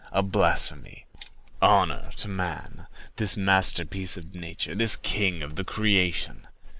A blasphemy. Honor to man, this masterpiece of nature, this king of the creation!"